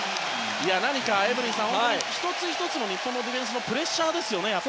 何か、エブリンさん１つ１つの日本のディフェンスのプレッシャーですよね。